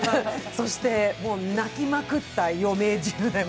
そして泣きまくった「余命１０年」。